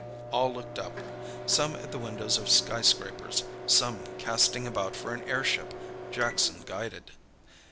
All looked up—some at the windows of skyscrapers, some casting about for an airship, Jackson guided.